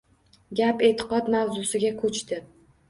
Gap eʼtiqod mavzusiga koʻchdi